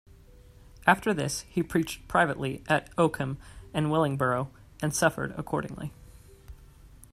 After this he preached privately at Oakham and Wellingborough, and suffered accordingly.